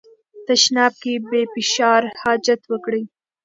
تشناب کې بې فشار حاجت وکړئ.